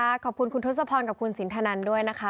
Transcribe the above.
ขอบคุณคุณทศพรกับคุณสินทนันด้วยนะคะ